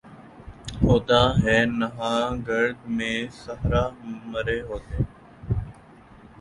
ہوتا ہے نہاں گرد میں صحرا مرے ہوتے